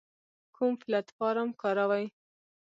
کوم پلتفارم کاروئ؟